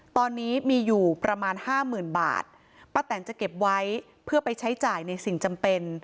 ตอนนี้มีอยู่ประมาณห้าหมื่นบาทป้าแตนจะเก็บไว้เพื่อไปใช้จ่ายในสิ่งจำเป็น